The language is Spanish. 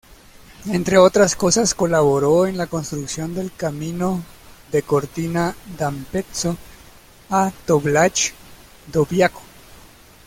Entre otras cosas, colaboró en la construcción del camino de Cortina d'Ampezzo a Toblach-Dobbiaco.